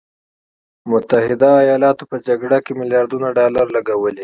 متحده ایالاتو په جګړو کې میلیارډونه ډالر لګولي.